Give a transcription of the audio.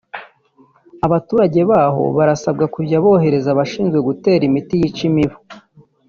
abaturage baho barasabwa kujya borohereza abashinzwe gutera imiti yica imibu